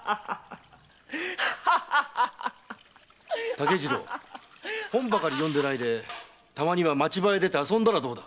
竹次郎本ばかり読んでないで町場へ出て遊んだらどうだ。